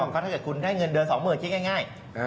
ถ้าเกิดคุณได้เงินเดือนสองหมื่นคิดง่าย